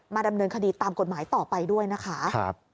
ดำเนินคดีตามกฎหมายต่อไปด้วยนะคะ